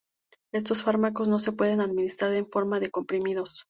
Estos fármacos no se pueden administrar en forma de comprimidos.